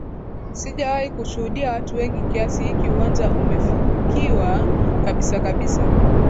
sijawahi kushuhudia watu wengi kiasi hiki uwanja umefukiwa kabisa kabisa